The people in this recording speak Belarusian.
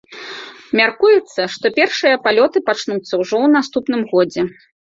Мяркуецца, што першыя палёты пачнуцца ўжо ў наступным годзе.